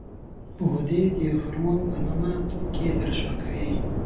غدې د هورمون په نامه توکي ترشح کوي.